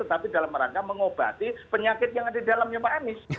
tetapi dalam rangka mengobati penyakit yang ada di dalamnya pak anies